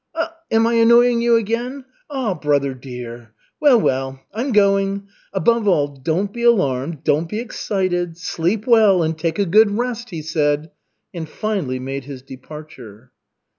Am I annoying you again? Ah, brother dear! Well, well, I'm going. Above all, don't be alarmed, don't be excited, sleep well and take a good rest," he said, and finally made his departure.